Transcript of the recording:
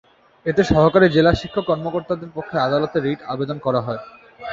এতে সহকারী জেলা শিক্ষা কর্মকর্তাদের পক্ষে আদালতে রিট আবেদন করা হয়।